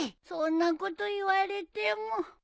そんなこと言われても。